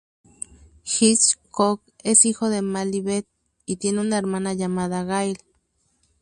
Hitchcock es hijo de Mal y Bette y tiene una hermana llamada Gail.